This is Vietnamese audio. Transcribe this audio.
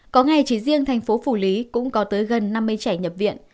có ngày chỉ riêng thành phố phủ lý cũng có tới gần năm mươi trẻ nhập viện